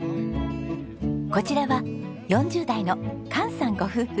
こちらは４０代の菅さんご夫婦。